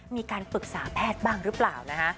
มีการปรึกษาแพทย์บ้างหรือเปล่านะคะ